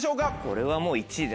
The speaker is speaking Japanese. これはもう１位。